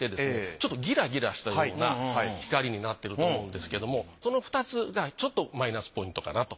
ちょっとギラギラしたような光になっていると思うんですけれどもその２つがちょっとマイナスポイントかなと。